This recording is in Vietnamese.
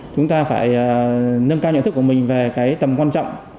chúng ta phải nâng cao nhận thức của mình về cái tầm quan trọng